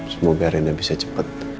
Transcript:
semoga rendy bisa cepat